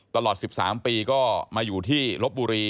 ตลอด๑๓ปีก็มาอยู่ที่ลบบุรี